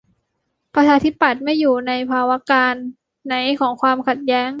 ประชาธิปัตย์ ไม่ อยู่ในภาวการณ์ไหนของความขัดแย้ง ?